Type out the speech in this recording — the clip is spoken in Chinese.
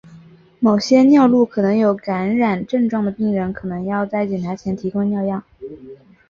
某些尿路可能有感染症状的病人可能要在检查前提供尿样。